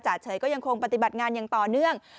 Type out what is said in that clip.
เฉยก็ยังคงปฏิบัติงานอย่างต่อเนื่อง